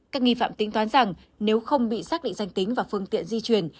các nghi phạm tính toán rằng nếu không bị xác định danh tính và phương tiện di chuyển